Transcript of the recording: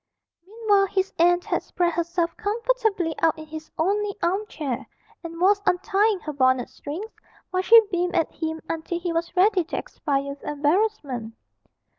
Meanwhile his aunt had spread herself comfortably out in his only arm chair, and was untying her bonnet strings, while she beamed at him until he was ready to expire with embarrassment.